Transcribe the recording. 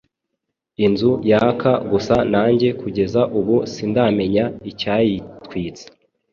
inzu yaka gusa nanjye kugeza ubu sindamenya icyayitwitse”.